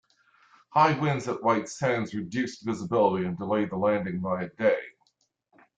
High winds at White Sands reduced visibility and delayed the landing by a day.